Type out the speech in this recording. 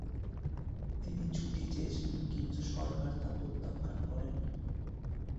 তিনি ছুটি চেয়েছিলেন কিন্তু সরকার তা প্রত্যাখ্যান করেন।